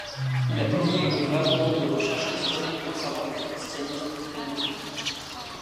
Il a publié une œuvre abondante de recherche historique concernant le christianisme primitif.